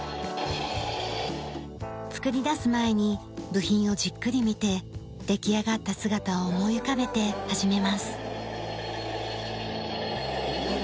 作りだす前に部品をじっくり見て出来上がった姿を思い浮かべて始めます。